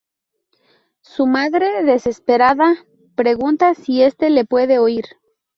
Su madre desesperada, pregunta si este le puede oír.